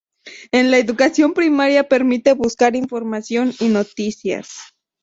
En la Educación Primaria permite buscar información y noticias.